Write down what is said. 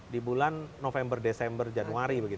di bulan november desember januari